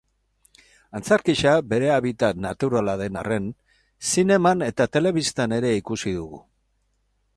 Antzerkia bere habitat naturala den arren, zineman eta telebistan ere ikusi dugu.